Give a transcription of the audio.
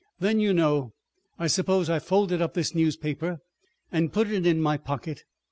... Then, you know, I suppose I folded up this newspaper and put it in my pocket.